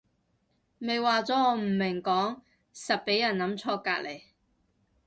咪話咗我唔明講實畀人諗錯隔離